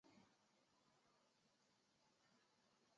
该国际通用识别编码与许多国家的本国识别码相一致。